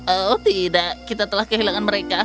oh tidak kita telah kehilangan mereka